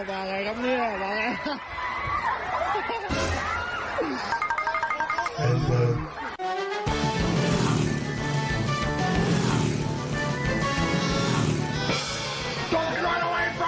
ต้องขยับนะใหม่